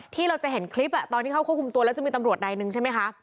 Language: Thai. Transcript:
ที่เราจะเห็นคลิปตอนที่เข้าควบคุมตัวแล้วจะมีตำรวจใดนึงใช่ไหมคะ